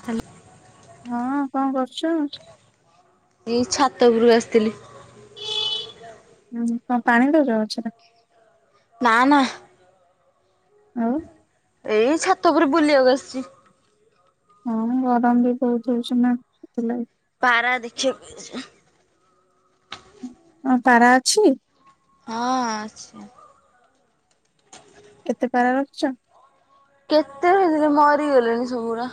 [unintelligible] ହଁ କଣ କରୁଛ? ଏ ଛାତ ଉପରକୁ ଆସିଥିଲି। ହୁଁ କଣ ପାଣି ଦଉଛ ଗଛ ରେ? ନାଁ ନାଁ। ଆଉଁ। ଏଇ ଛାତ ଉପରେ ବୁଲିବାକୁ ଆସିଛି। ହଁ ଗରମ ବି ବହୁତ ହଉଛି ନାଁ ସେଥିଲାଗି। ପାରା ଦେଖିଆକୁ ଇଚ୍ଛା। ହଁ ପାରା ଅଛି? ହଁ ଅଛି। କେତେ ପାରା ରଖିଛ? କେତେ ହେଲେ ମରିଗଲେଣି ସବୁଗୁରା।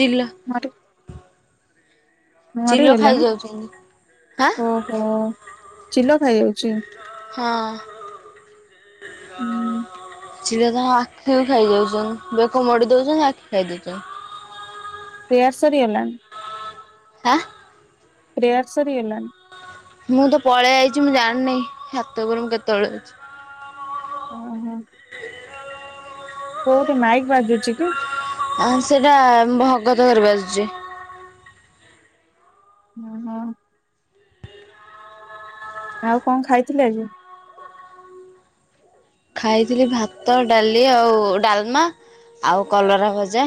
ଚିଲ ମରେ ଚିଲ ମରିଗଲାଣିି। ଖାଇଯାଉଛନ୍ତି। ହାଁ ଓହୋ ଚିଲ ଖାଇ ଯାଉଛି? ହଁ। ହୁଁ ଚିଲ ତାଙ୍କ ଆଖି କୁ ଖାଇଯାଉଛନ୍ତି। ବେକ ମୋଡି ଦଉଛନ୍ତୀ ଆଖି ଖାଇ ଦଉଛନ୍ତି। ପେୟାର୍ ସରିଗଲା? ଆଁ। ପ୍ୟାର୍ର ସରିଗଲା? ମୁଁ ତ ପଳେଇ ଆଇଛି ମୁଁ ଜାଣିନି ଛାତ ଉପରୁ ମୁଁ କେତେବେଳୁ ଆଇଁଛି। ଓ ହଁ। କୋଉଁଠି ମାଇଁକି ବାଜୁଛି କି? ହଁ ସେଇଟା ମଁ ଭଗତ ଘରେ ବାଜୁଛି। ହଁ ହଁ। ଆଉ କଣ ଖାଇଥିଲେ ଆଜି? ଖାଇଥିଲି ଭାତ ଡାଲି ଆଉ ଡାଲମା ଆଉ କଲରା ଭଜା।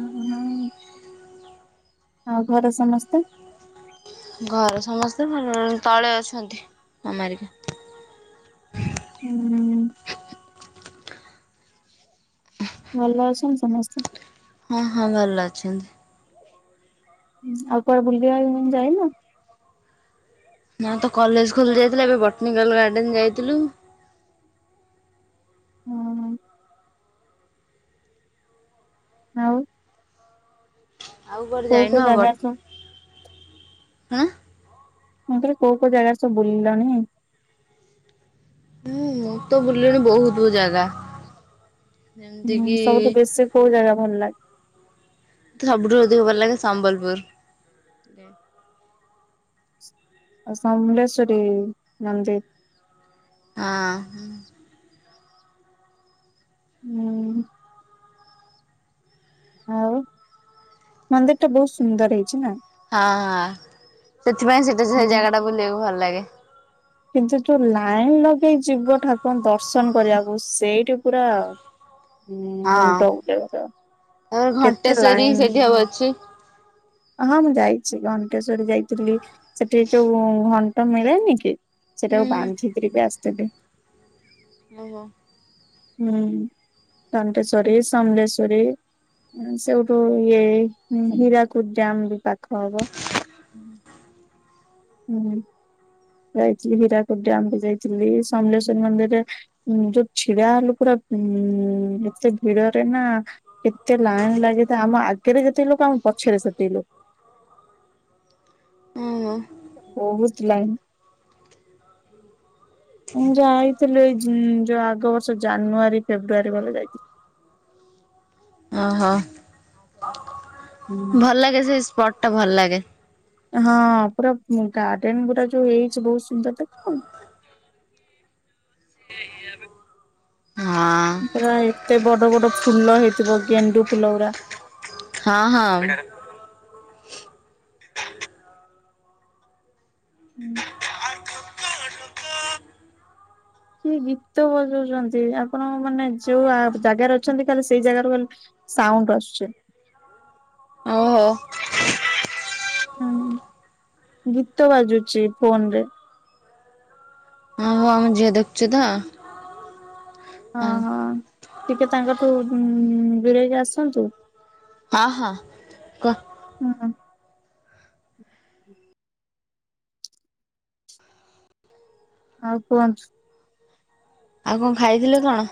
ଓ ହଁ ଆଉ ଘରେ ସମସ୍ତେ? ଘରେ ସମସ୍ତେ ଉଁ ତଳେ ଅଛନ୍ତି ମା ମାରିବ। ଉଁ ଭଲ ଅଛନ୍ତି ସମସ୍ତେ? ହଁ ହଁ ଭଲ ଅଛନ୍ତି। ଆଉ କୁଆଡେ ବୁଲିବାକୁ ଯାଇନ? ନାଁ ତ କଲେଜ ଖୋଲି ଯାଇଥିଲା। ଏବେ ବଟାନିକାଲ୍ ଗାର୍ଡେନ୍ ଯାଇଥିଲୁ। ହଁ। ଆଉଁ। ଆଉ କୁଆଡେ କୋଉ କୋଉ ଯାଇନ ଜାଗା ସବୁ ବଟ ଆଁ। ମୁଁ କହିଲି କୋଉଁ କୋଉଁ ଜାଗା ସବୁ ବୁଲିଲଣିି? ହୁଁ ମୁଁ ତ ବୁଲିଲିଣି ବହୁତୁ ଜାଗା। ଯେମିତି ହୁଁ କିି ସବୁଠୁଁ ବେଶୀ କୋଉଁ ଜାଗା ଭଲ ଲାଗେ? ମୋତେ ସବୁଠୁଁ ଅଧିକ ଭଲ ଲାଗେ ସମ୍ବଲପୁର। ଆ ସମଲେଶ୍ଵରୀ ମନ୍ଦିର? ହଁ। ହୁଁ। ଆଉ ମନ୍ଦିର ଟା ବହୁତ ସୁନ୍ଦର ହେଇଛି ନାଁ? ହଁ ହଁ ସେଥିପାଇଁ ସେଟା ସେ ହୁଁ। ଜାଗା ଟା କୁ ବୁଲିବାକୁ ଭଲ ଲାଗେ। କିନ୍ତୁ ଯୋଉ ଲାଇନ ଲଗେଇ ଯିବ ଠାକୁରଙ୍କୁ ଦର୍ଶନ କରିବାକୁ ସସେଇଠି ପୁରା ଆଉଁ ହୁଁ ହଁ ମୁଣ୍ଡ ବୁଲେଇବ ତମର କେତେ ଲାଇନ୍ ସିଏ ଆଉଁ ଅଛି? ହଁ ମୁଁ ଯାଇଚି ଘଣ୍ଟେଶ୍ୱରି ଯାଇଥିଲି ସେଠି ଯୋଉ ଘଣ୍ଟ ମିଳେନି କି ସେଟାକୁ ହୁଁ ବାନ୍ଧିକିରି ବି ଆସିଥିଲି। ଓହୋ। ହୁଁ ଘଣ୍ଟେଶ୍ୱରୀ, ସମଲେଶ୍ୱରୀ ସେଉଠୁ ଇଏ ହୁଁ ହୀରାକୁଦ ଡ୍ୟାମ ବି ପାଖ ଖ ହବ ହୁଁ। ଯାଇଥିଲି ହୀରାକୁଦ ଡ୍ୟାମ୍ ବି ଯାଇଥିଲି ସମଲେଶ୍ଵରୀ ମନ୍ଦିରେ ଉଁ ଯୋଉ ଛିଡ଼ା ହେଲୁ ପୁରା ଉଁ ଉଁ ଉଁ ଏତେ ଭିଡ଼ରେ ନା ଏତେ ଲାଇନ୍ ଲାଗିଥାଏ ଆମ ଆଗେରେ ଯେତିକି ଲୋକ ଆମ ପଛରେ ସେତିକି ଲୋ ଉଁ ହଁ। ବହୁତ ଲାଇନ୍। [inaudible] ମୁଁ ଯାଇଥିଲି ଏଇ ଉଁ ଯୋଉ ଆଗ ବର୍ଷ ଜାନୁଆରୀ ଫେବୃଆରୀ ବଳେ ଯାଇଚି। ଓହୋ ଭଲ ଲାଗେ ସେଇ ସ୍ପଟ ଟା ଭଲ ଲାଗେ। ହଁ ପୁରା ଉଁ ଗାର୍ଡେନ ଗୁରା ଯୋଉ ହେଇଚି ବହୁତ ସୁନ୍ଦର ଦେଖ ଆଉନ। ହଁ। ପୁରା ଏତେ ବଡ଼ ବଡ଼ ଫୁଲ ହେଇଥିବ ଗେଣ୍ଡୁ ଫୁଲ ଗୁରା। ହଁ ହଁ। ହୁଁ। କିଏ ଗୀତ ବଜଉଚନ୍ତି ଆପଣ ମାନେ ଯୋଉ ଆ ଜାଗାରେ ଅଛନ୍ତି ଖାଲି ସେଇ ଜାଗାରୁ ଖାଲି ସାଉଣ୍ଡ ଅସୁଚି। ଓହୋ ହଁ ଉଁ ଗୀତ ବାଜୁଚି ଫୋନ୍ ରେ। ହଁ ଝିଅ ଦେଖୁଚିତ ହଁ। ଟିକେ ତାଙ୍କଠୁ ଉଁ ଉଁ ଉଁ ଦୁରେଇକି ଆସନ୍ତୁ। ହଁ ହଁ କୁହ? ହୁଁ ଆଉ କୁହନ୍ତୁ? ଆଉ କଣ ଖାଇଥିଲେ କଣ?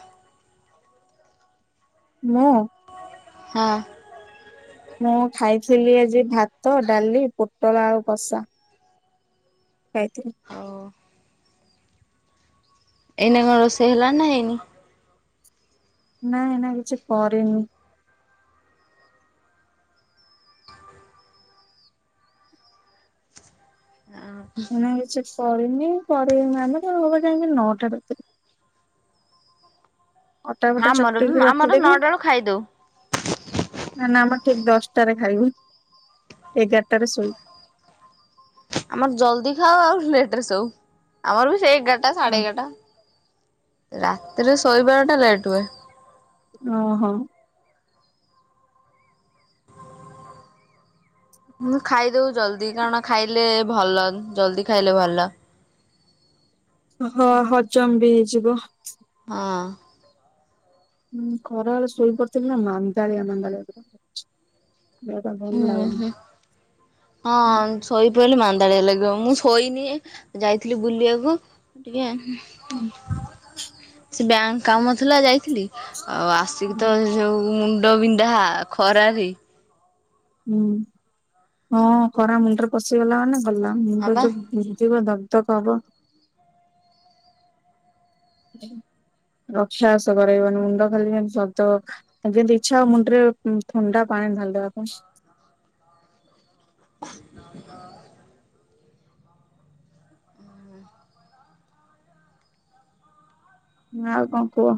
ମୁଁ? ହଁ। ମୁଁ ଖାଇଥିଲି ଆଜି ଭାତ, ଡ଼ାଲି, ପୋଟଳ ଆଳୁ କଷା। ଖାଇଥିଲି। ହଉ ଏଇନେ କଣ ରୋଷେଇ ହେଲାଣି ନା ହେଇନି? ନାଁ ଏଇନା କିଛି କରିନି। ଏଇନା କିଛି କରିନି କରିବି ମାନେ ସେ ହବ ଯାଇଁକି ନଅ ଟାରେ। ଅଟା ଫଟା ଆମର ବି ଚକଟିକି ଆମର ରଖିଦେବି। ନଅଟା ବେଳୁ ଖାଇଦଉ ନା ନା ଆମର ଠିକ୍ ଦଶଟାରେ ଖାଇବୁ ଏଗାରଟାରେ ଶୋଇବୁ। ଆମର ଜଲ୍ଦି ଖାଉ ଆଉ ଲେଟ୍ ରେ ସୋଉ ଆମର ବି ସେଇ ଏଗାର ଟା ସାଢ଼େ ଏଗାରଟା ରାତିରେ ଶୋଇବାଟା ଲେଟ୍ ହୁଏ। ଓହୋ। ମୁଁ ଖାଇଦଉ ଜଲ୍ଦି କାରଣ ଖାଇଲେ ଭଲ ଜଲଦି ଖାଇଲେ ଭଲ। ହଁ ହଜମ୍ ବି ହେଇଯିବ। ହଁ। ହୁଁ ଖରାବେଳେ ଶୋଇ ପଡିଥିଲି ନା ମାନ୍ଦାଳିଆ ମାନ୍ଦାଳିଆ ଏବେ ତ ହଉଛି। ହୁଁ ହୁଁ ହଁ। ଶୋଇ ପଇଲେ ମାନ୍ଦାଳିଆ ଲାଗିବ ମୁଁ ଶୋଇନି ଯାଇଥିଲି ବୁଲିବାକୁ ଟିକେ। ହୁଁ। ସେ ବ୍ୟାଙ୍କ କାମ ଥିଲା ଯାଇଥିଲି ଆଉ ଆସିକି ତ ଯେଉଁ ମୁଣ୍ଡ ବିନ୍ଧା ଖରାରେ। ହୁଁ ହଁ ଖରା ମୁଣ୍ଡରେ ପଶିଗଲା ମାନେ ଗଲା ହଁ ମୁଣ୍ଡ ବା ଯୋଉ ବିନ୍ଦିବଦବ୍। ତ ଦବ। ରକ୍ଷାବାସ କରେଇବନି ମୁଣ୍ଡ ଖାଲି ଧବ୍ ଧବ୍। ଖାଲି ଯେମତି ଇଛା ହବ ମୁଣ୍ଡ ରେ ଥଣ୍ଡା ପାଣି ଢାଳି ଦବା ପାଇଁ। [inaudible] ନା ଆଉ କଣ କୁହ?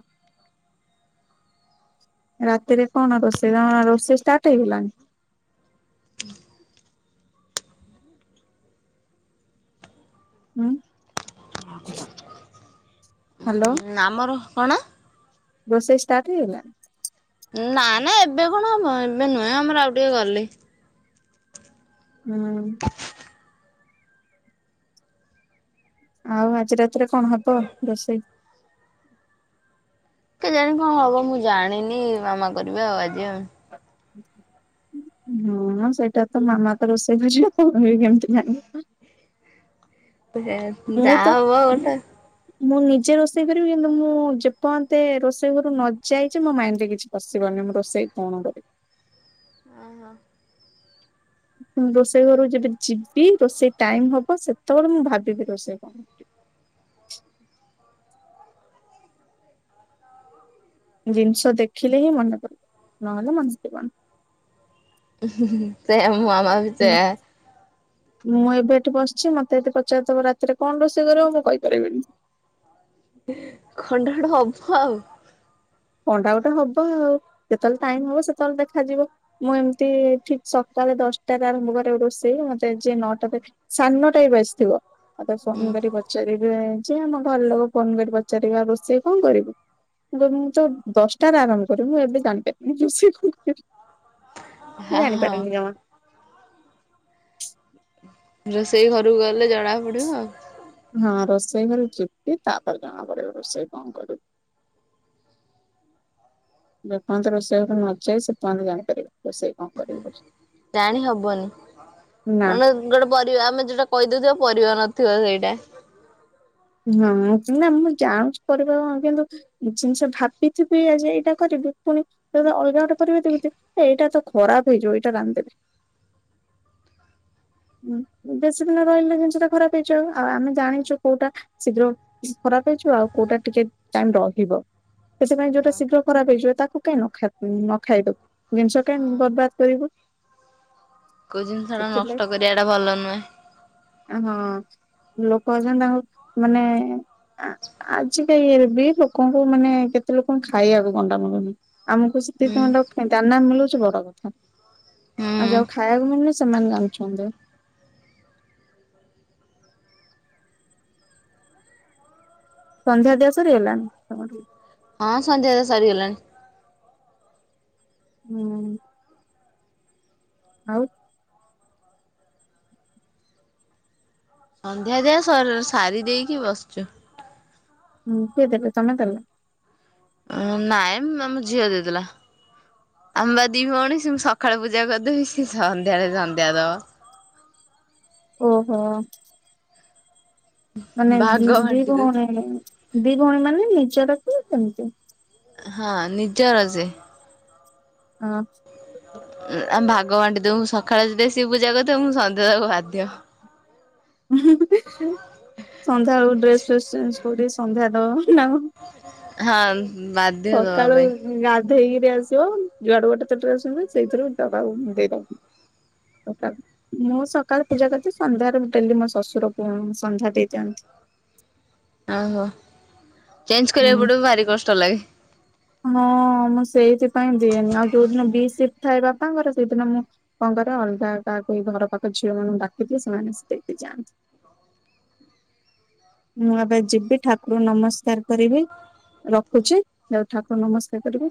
ରାତିରେ କଣ ରୋଷେଇ ତମର ରୋଷେଇ ଷ୍ଟାର୍ଟ ହେଇଗଲାଣି? [inaudible] ହୁଁହାଲୋ। ନାମର କଣ? ରୋଷେଇ ଷ୍ଟାର୍ଟ ହେଇଗଲାଣି? ନା ନା ଏବେ କଣ ହବ ଏବେ ନା ଆମର ଆଉ ଟିକେ ଗଲେ। ହୁଁ। ଆଉ ଆଜି ରାତିରେ କଣ ହବ ରୋଷେଇ? କେଜାଣି କଣ ହବ ମୁଁ ଜାଣିନି ମାମା କରିବେ ଆଉ ଆଜି। ହଁ ସେଇଟା ତ ମାମା ତ ରୋଷେଇ କରିବ ଇଏ କେମିତି ଜାଣିବ। ସେ ମୁଁ ଯାଆ ତ ହବ ଗୋଟେ। ମୁଁ ନିଜେ ରୋଷେଇ କରିବି କିନ୍ତୁ ମୁଁ ଯେପର୍ଯ୍ୟନ୍ତେ ରୋଷେଇ ଘରୁକୁ ନ ଯାଇଛି ମୋ ମାଇଣ୍ଡରେ କିଛି ପସିବନି ମୁଁ ରୋଷେଇ କଣ କରିବି? ଓହୋ। ମୁଁ ରୋଷେଇ ଘରୁକୁ ଯେବେ ଯିବି ରୋଷେଇ ଟାଇମ୍ ହବ ସେତେବେଳେ ମୁଁ ଭାବିବି ରୋଷେଇ କଣ ଜିନିଷ ଦେଖିଲେ ହିଁ ମନେ ପଡିବ ନହେଲେ ମନେ ପଡିବନେହିଁ। ଉଁ ହୁଁ ହୁଁ ସେଇଆ ମୋ ମାମା ବି ହୁଁ ସେଇଆ। ମୁଁ ଏବେ ଏଠି ବସିଚି ମତେ ଯଦି ପଚାରିଦବ ରାତିରେ କଣ ରୋଷେଇ କରିବ ମୁଁ କହିପାରିବିନି। କଣଟା ଗୋଟେ ହବ ଆଉ। କଣଟା ଗୋଟେ ହବ ଆଉ ଯେତେବେଳେ ଟାଇମ ହବ ସେତେବେଳେ ଦେଖାଯିବ। ମୁଁ ଏମିତି ଠିକ୍ ସକାଳେ ଦଶଟାରେ ଆରମ୍ଭ କରେ ରୋଷେଇ ମତେ ଯିଏ ନଅଟାରେ ସାଡେ ନଅଟା ବି ବାଜିଥିବ ମତେ ଫୋନ କରିକି ପଚାରିବେ। ଯେ ଆମ ଘର ଲୋକ ଫୋନ୍ କରି ପଚାରିବେ ଆଉ ରୋଷେଇ କଣ କରିବୁ? ମୁଁ କହିମି ତ ଦଶଟାରେ ଆରମ୍ଭ କରିମି ମୁଁ ଏବେ ଜାଣିପାରିନାହିଁ ରୋଷେଇ କଣ କରିବି? ମୁଁ ହଁ ଜାଣିପାରେନି ଜମା। ରୋଷେଇ ଘରକୁ ଗଲେ ଜଣା ପଡିବ ଆଉ। ହଁ ରୋଷେଇ ଘରକୁ ଯିବି ତାପରେ ଜଣା ପଡିବ ରୋଷେଇ କଣ କରିଵି। ଯେ ପର୍ଯ୍ୟନ୍ତେ ରୋଷେଇ ଘରକୁ ନ ଯାଇଚି ସେପର୍ଯ୍ୟନ୍ତେ ଜଣିପାରିବିନି ରୋଷେଇ। କଣ କରିବି ବୋଲି ଜାଣି ହବନି ନା କାରଣ ଗୋଟେ ପରିବା ଆମେ ଯୋଉଟା କହିଦୋଉଥିବା ପରିବା ନଥିବ ସେଇଟା। ହଁ ନା ମୁଁ ଜାଣୁଚି ପରିବା କଣ କିନ୍ତୁ ଜିନିଷ ଭାବିଥିବି ଆଜି ଏଇଟା କରିବି ପୁଣି ତ ଅଲଗା ଗୋଟେ ପରିବା କେମିତି ଏଇଟା ତ ଖରାପେ ହେଇଯିବ ଏଇଟା ରାନ୍ଧିଦେ। [inaudible] ଉଁ ବେଶୀ ଦିନ ରହିଲେ ଜିନିଷ ଟା ଖରାପ ହେଇଯିବ ଆଉ ଆମେ ଜାଣିଚୁ କୋଉଟା ଶୀଘ୍ର ଖରାପ ହେଇଯିବ ଆଉ କୋଉଟା ଟିକେ ଟାଇମ୍ ରହିବ। ସେଥିପାଇଁ ଯୋଉଟା ହଁ ଶୀଘ୍ର ଖରାପ ହେଇଯିବ ତାକୁ କାଇଁ ନଖାଇ ନଖାଇଦାବୁ ଜିନିଷ କାଇଁ ବର୍ବାଦ କରିବୁ। କୋଉ ଜିନିଷଟା ସେଥିଲାଗି ନଷ୍ଟ କରିବାଟା ଭଲ ନୁହେଁ। ହଁ ଲୋକ ଅଛନ୍ତି ତାଙ୍କୁ ମାନେ ଆଜିକା ଇଏରେ ବି ଲୋକଙ୍କୁ ମାନେ କେତେ ଲୋକଙ୍କୁ ଖାଇବାକୁ ଗଣ୍ଡାମଣ୍ଡୁନି। ଆମକୁ ହୁଁ ସେତିକି ଟଙ୍କାର ଦାନା ମିଳୁଛି ବଡ କଥା। ଆଉ ହୁଁ। ଯୋଉ ଖାଇବାକୁ ମିଳୁନି ସେମାନେ ଜାଣିୁଛନ୍ତି। ସନ୍ଧ୍ୟା ଦିଆ ସରିଗଲା? [unintelligible] ହଁ ସନ୍ଧ୍ୟା ଦିଆ ସରିଗଲାଣି। ହୁଁ। ଆଉ ସନ୍ଧ୍ୟା ଦିଆ ସରି ସାରି ଦେଇକି ବସିଚୁ। ହୁଁ କଏ ଦେଲେ? ତମେ ଦେଲ। ନାଇଁ ଆମ ଝିଅ ଦେଇ ଦେଲା। ଆମେ ଦି ଭଉଣୀ ସଁ ସକାଳୁ ପୂଜା କରିଦେବି ସ ସନ୍ଧ୍ୟାଳେ ସନ୍ଧ୍ୟା ଦବ। ଓହୋ ମାନେ ଭାଗ ଦି ବାଣ୍ଟି ଦଉ ଭଉଣୀ ଦି ଭଉଣୀ ମାନେ ନିଜରକୁ ସେମିତି ହଁ ନିଜର ସେ। ହଁ ଆ ଭାଗ ବାଣ୍ଟି ଦଉଁ। ସକାଳେ ଯଦି ସିଏ ପୂଜା କରିଥିବ ମୁଁ ସନ୍ଧ୍ୟାଳକୁ ବାଦିଅ ସନ୍ଧ୍ୟାବେଳ ଡ୍ରେସ୍ ଫସ ଚେଞ୍ଜ କରି ସନ୍ଧ୍ୟା ତ ହଁ ବାଧ୍ୟ ଦବା ପାଇଁ। ଗାଧେଇକିରି ଆସିବ ଯୁଆଡୁ ଗଟେ ତରେ ଆସଛନ୍ତି ସେଇଥିରୁ ଟାକୁ ଦେଇଦବ। ମୁଁ ସକାଳ ପୂଜା କରିଛି ସନ୍ଧ୍ୟାରେ ଡେଲି ମୋ ଶଶୁର ପ ସନ୍ଧ୍ୟା ଦେଇ ଦିଅନ୍ତି। ଓହୋ ଚେଞ୍ଜ କରିବାକୁ ହୁଁ। ପଡିବ ଭାରି କଷ୍ଟ ଲାଗେ। ହଁ ମୁଁ ସେଇଥିପାଇଁ ଦିଏନି? ଆଉ ଯୋଉ ଦିନ ବି ସିଟ୍ ଥାଏ ବାପାଙ୍କର ସେଇଦିନ ମୁଁ- - କଣ କରେ ଅଲଗା କାହାକୁ ଘର ପାଖ ଝିଅ ମାନଙ୍କୁ ଡାକି ସେମାନେ ଦେଇକି ଯାଆନ୍ତି। ର ମୁଁ ଏବେ ଯିବି ଠାକୁର ନମସ୍କାର କରିବି ରଖୁଚି। ଠାକୁର ନମସ୍କାର କରିବେ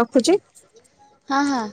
ରଖୁ ଚି। ହାଁ ହାଁ